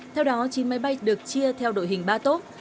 theo đó chín máy bay được chia theo đội hình ba tốt